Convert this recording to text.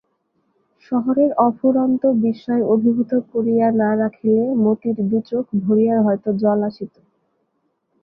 শহরের অফুরন্ত বিস্ময় অভিভূত করিয়া না রাখিলে মতির দুচোখ ভরিয়া হয়তো জল আসিত।